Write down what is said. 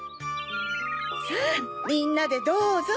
さぁみんなでどうぞ。